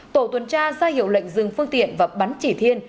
tổ tuần tra ra hiệu lệnh dừng phương tiện và bắn chỉ thiên